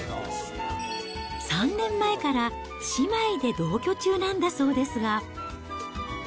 ３年前から姉妹で同居中なんだそうですが。